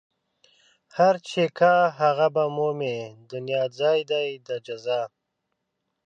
هر چې کا هغه به مومي دنيا ځای دئ د جزا